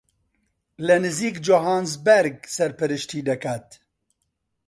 لە نزیک جۆهانسبێرگ سەرپەرشتی دەکات